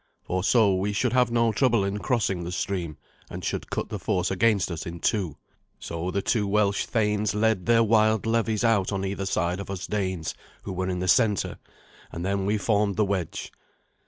For so we should have no trouble in crossing the stream, and should cut the force against us in two. So the two Welsh thanes led their wild levies out on either side of us Danes, who were in the centre, and then we formed the wedge.